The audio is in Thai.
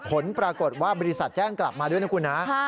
ผลปรากฏว่าบริษัทแจ้งกลับมาด้วยนะคุณนะ